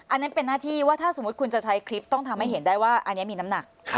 อันนั้นเป็นหน้าที่ว่าถ้าสมมุติคุณจะใช้คลิปต้องทำให้เห็นได้ว่าอันนี้มีน้ำหนัก